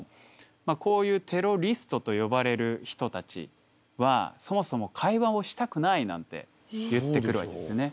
こういうテロリストと呼ばれる人たちはそもそも会話をしたくないなんて言ってくるわけですね。